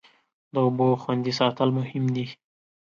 د اوبو خوندي ساتل مهم دی.